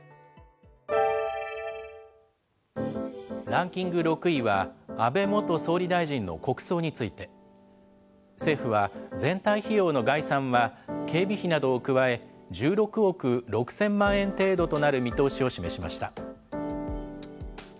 ランキング６位は、安倍元総理大臣の国葬について。政府は全体費用の概算は、警備費などを加え、１６億６０００万円程度となる見通しを示しました。